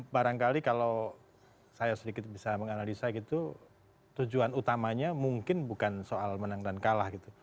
barangkali kalau saya sedikit bisa menganalisa gitu tujuan utamanya mungkin bukan soal menang dan kalah gitu